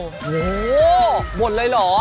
โหหมดเลยหรอ